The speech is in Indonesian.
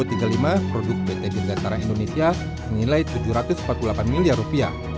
tahun dua ribu tiga puluh lima produk pt dikantara indonesia nilai tujuh ratus empat puluh delapan miliar rupiah